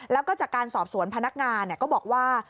แล้วก็จากการสอบสวนพนักงานก็บอกว่า